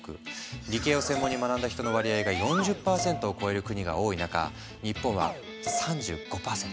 理系を専門に学んだ人の割合が４０％を超える国が多い中日本は３５％。